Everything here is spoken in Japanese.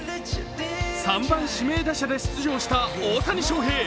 ３番・指名打者で出場した大谷翔平。